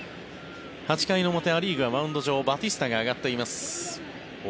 ８回の表、ア・リーグはマウンド上バティスタが上がっています。